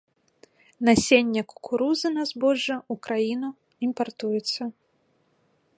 Насенне кукурузы на збожжа ў краіну імпартуецца.